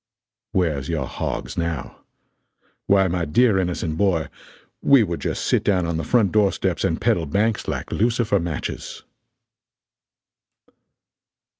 ] "Where's your hogs now? Why my dear innocent boy, we would just sit down on the front door steps and peddle banks like lucifer matches!"